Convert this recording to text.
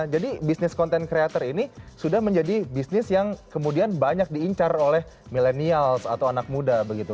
jadi bisnis content creator ini sudah menjadi bisnis yang kemudian banyak diincar oleh millennials atau anak muda begitu